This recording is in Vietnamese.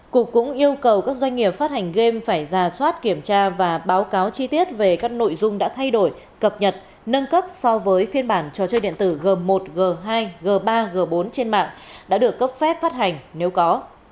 cục cũng yêu cầu các doanh nghiệp phát hành game phải ra soát kiểm tra và báo cáo chi tiết về các nội dung đã thay đổi cập nhật nâng cấp so với phiên bản trò chơi điện tử g một g hai g ba g bốn trên mạng đã được cấp phép phát hành nếu có